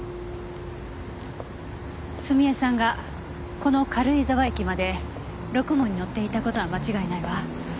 澄江さんがこの軽井沢駅までろくもんに乗っていた事は間違いないわ。